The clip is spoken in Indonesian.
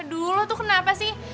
aduh lo tuh kenapa sih